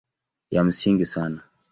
Ya msingi sana